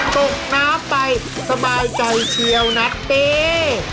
ตกน้ำไปสบายใจเชียวนัทเด้